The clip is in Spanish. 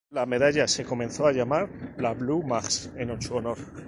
La medalla se comenzó a llamar la "Blue Max" en su honor.